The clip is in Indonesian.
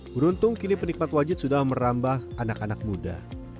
beruntung kini penikmat wajit sudah merambah anak anak muda